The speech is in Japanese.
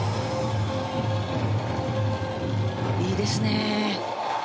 いいですね。